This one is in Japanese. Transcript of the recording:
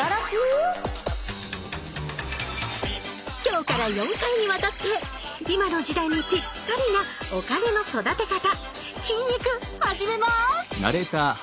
今日から４回にわたって今の時代にぴったりなお金の育て方「金育」始めます。